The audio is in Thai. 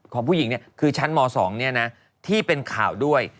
ของผู้หญิงคือชั้นม๒ที่เป็นข่าวด้วย